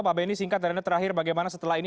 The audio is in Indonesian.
pak benny singkat dan terakhir bagaimana setelah ini